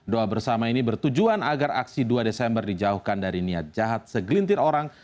doa bersama ini bertujuan agar aksi dua desember dijauhkan dari niat jahat segelintir orang